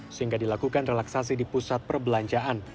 sehingga dilakukan relaksasi di pusat perbelanjaan